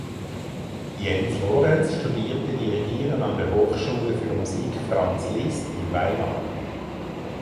Jens Lorenz studierte Dirigieren an der Hochschule für Musik „Franz Liszt“ in Weimar.